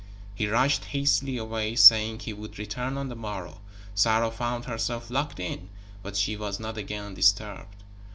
He rushed hastily away, saying he would return on the morrow. Sarah found herself locked in, but she was not again disturbed.